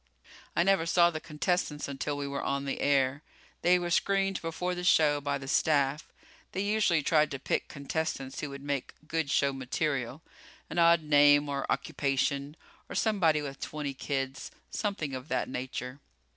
I never saw the contestants until we were on the air. They were screened before the show by the staff. They usually tried to pick contestants who would make good show material an odd name or occupation or somebody with twenty kids. Something of that nature.